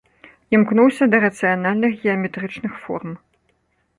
Імкнуўся да рацыянальных, геаметрычных форм.